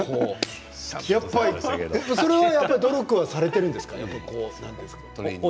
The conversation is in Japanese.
やっぱり努力をされているんですか？